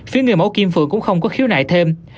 phía người mẫu kim phượng cũng không có khiếu nại thêm